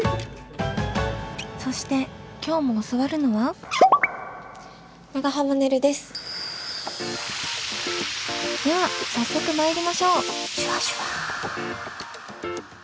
そして今日も教わるのはでは早速参りましょう！